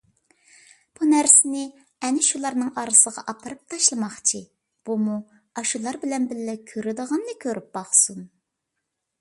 بۇ نەرسىنى ئەنە شۇلارنىڭ ئارىسىغا ئاپىرىپ تاشلىماقچى، بۇمۇ ئاشۇلار بىلەن بىللە كۆرىدىغىنىنى كۆرۈپ باقسۇن.